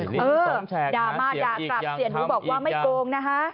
ดราม่าอยากกลับเสียหนูบอกว่าไม่โกง